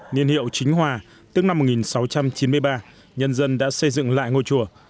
niên hiệu chính hòa tức năm một nghìn sáu trăm chín mươi ba nhân dân đã xây dựng lại ngôi chùa